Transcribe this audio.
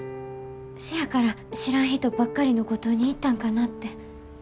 せやから知らん人ばっかりの五島に行ったんかなって。